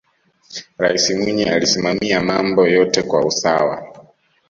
raisi mwinyi alisimamia mambo yote kwa usawa